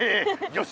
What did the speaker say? よし！